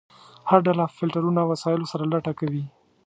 هر ډله فلټرونو وسایلو سره لټه کوي.